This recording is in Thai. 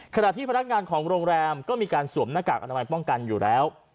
ขณะที่พนักงานของโรงแรมก็มีการสวมหน้ากากอนามัยป้องกันอยู่แล้ว